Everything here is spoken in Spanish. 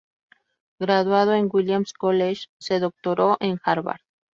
Graduado en Williams College, se doctoró en Harvard.